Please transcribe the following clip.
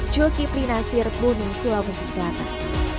joki prinasir gunung sulawesi selatan